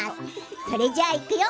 それじゃあ、いくよ！